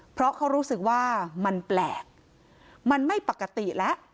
เพราะเขารู้สึกว่ามันแปลกมันไม่ปกติแล้ว